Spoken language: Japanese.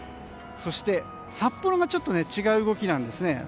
そして、札幌がちょっと違う動きなんですね。